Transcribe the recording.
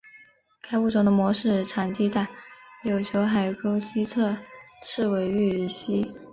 该物种的模式产地在琉球海沟西侧赤尾屿以西。